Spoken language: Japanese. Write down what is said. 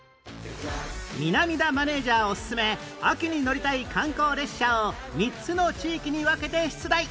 南田マネジャーオススメ秋に乗りたい観光列車を３つの地域に分けて出題